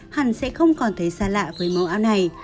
hẳn sẽ không còn thấy xa lạ với mẫu áo này